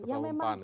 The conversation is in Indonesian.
ketua mumpan ya